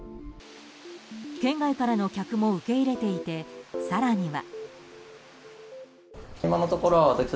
県外からの客も受け入れていて更には。